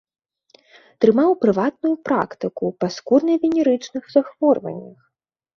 Трымаў прыватную практыку па скурна-венерычных захворваннях.